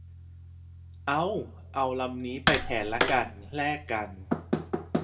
เอ้า เอาลำนี้ไปแทนละกัน แลกกัน